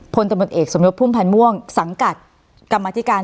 ผลทธบุทธอีกสมยพพรรณม่วงสังกัดกรรมธิการ